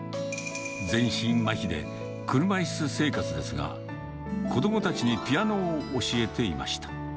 全身まひで車イス生活ですが、子どもたちにピアノを教えていました。